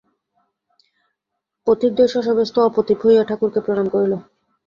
পথিকদ্বয় শশব্যস্ত ও অপ্রতিভ হইয়া ঠাকুরকে প্রণাম করিল।